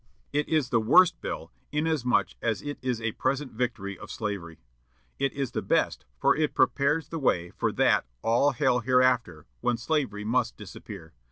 "It is the worst bill, inasmuch as it is a present victory of slavery.... It is the best, for it prepares the way for that 'All hail hereafter,' when slavery must disappear....